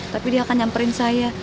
tapi dia akan nyamperin saya